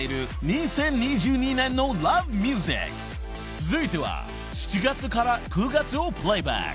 ［続いては７月から９月をプレーバック］